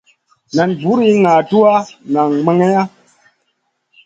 Nan buri ga tuwaʼa nang mageya.